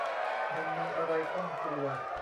มันมีอะไรต้องกลัว